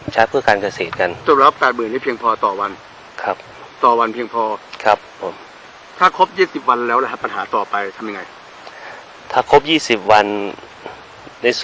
ถ้าครบยี่สิบวันได้ส่วนนี้ก็คงจะต้องให้ผู้ใหญ่เขา